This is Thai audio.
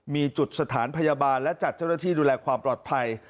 มีจุดสถานพยาบาลและจัดเจ้าหน้าที่ดูแลความปลอดภัย